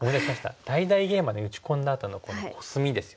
大々ゲイマで打ち込んだあとのこのコスミですよね。